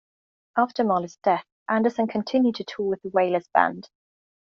After Marley's death, Anderson continued to tour with The Wailers Band.